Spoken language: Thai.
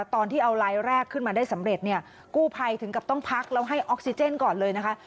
ตอนที่เอาลายแรกขึ้นมาได้สำเร็จเนี่ยกู้ภัยถึงกับต้องพักแล้วให้ออกซิเจนก่อนเลยนะคะ